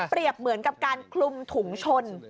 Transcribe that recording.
เหมือนกับการคลุมถุงชน